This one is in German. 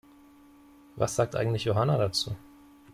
Was sagt eigentlich Johanna dazu?